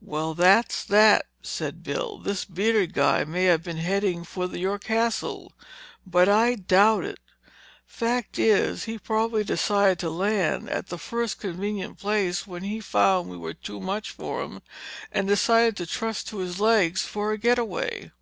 "Well, that's that," said Bill. "This bearded guy may have been heading for your Castle, but I doubt it. Fact is, he probably decided to land at the first convenient place when he found we were too much for him, and decided to trust to his legs for a getaway."